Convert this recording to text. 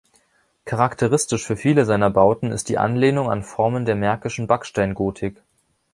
Charakteristisch für viele seiner Bauten ist die Anlehnung an Formen der märkischen Backsteingotik.